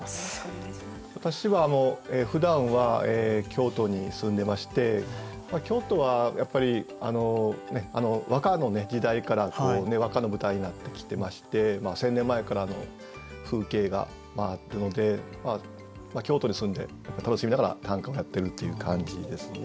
私はふだんは京都に住んでまして京都はやっぱり和歌の時代から和歌の舞台になってきてまして１，０００年前からの風景があるので京都に住んで楽しみながら短歌をやってるっていう感じですね。